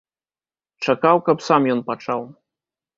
Чакаў, каб сам ён пачаў.